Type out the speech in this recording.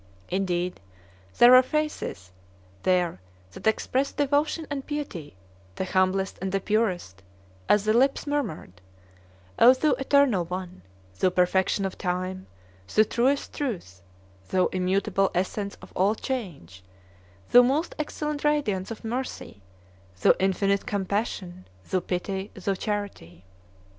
Indeed, there were faces there that expressed devotion and piety, the humblest and the purest, as the lips murmured: "O Thou Eternal One, Thou perfection of Time, Thou truest Truth, Thou immutable essence of all Change, Thou most excellent radiance of Mercy, Thou infinite Compassion, Thou Pity, Thou Charity!"